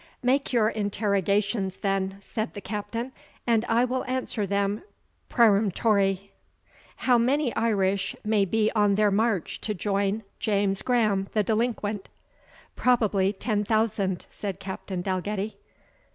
"Make your interrogations, then," said the Captain, "and I will answer them PREREMTORIE." "How many Irish may be on their march to join James Graham the delinquent?" "Probably ten thousand," said Captain Dalgetty.